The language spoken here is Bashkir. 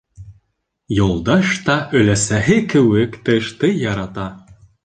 Юлдаш та өләсәһе кеүек тышты ярата.